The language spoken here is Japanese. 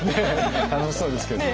楽しそうですけれども。